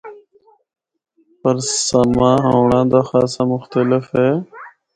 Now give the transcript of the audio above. پر ساماں ہونڑا دا خاصا مختلف اے۔